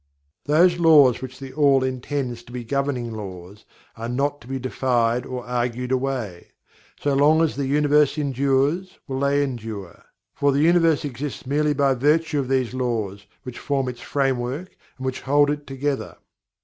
Those Laws which THE ALL intends to be governing Laws are not to be defied or argued away. So long as the Universe endures, will they endure for the Universe exists by virtue of these Laws which form its framework and which hold it together.